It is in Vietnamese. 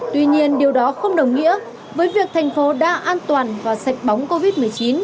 tuy nhiên điều đó không đồng nghĩa với việc thành phố đã an toàn và sạch bóng covid một mươi chín